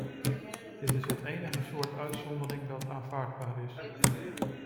Dit is het enige soort uitzondering dat aanvaardbaar is.